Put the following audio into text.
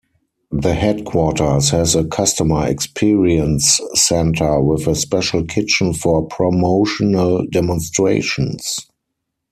The headquarters has a "customer experience center" with a special kitchen for promotional demonstrations.